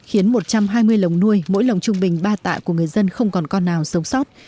khiến một trăm hai mươi lồng nuôi mỗi lồng trung bình ba tạ của người dân không còn con nào sống sót